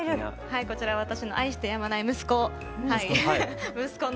はいこちら私の愛してやまない息子。